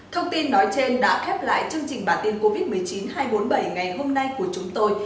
thông tin nói trên đã khép lại chương trình bản tin covid một mươi chín hai trăm bốn mươi bảy ngày hôm nay của chúng tôi